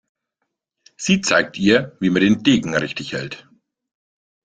Sie zeigt ihr, wie man den Degen richtig hält.